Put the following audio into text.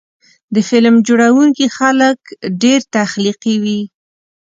د فلم جوړوونکي خلک ډېر تخلیقي وي.